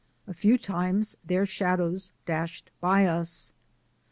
A few times their shadows dashed by us.